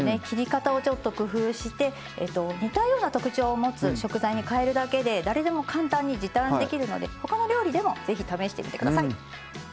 切り方をちょっと工夫して似たような特徴を持つ食材にかえるだけで誰でも簡単に時短できるので他の料理でも是非試してみてください。